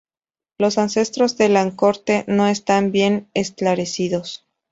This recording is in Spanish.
Los ancestros del arconte no están bien esclarecidos.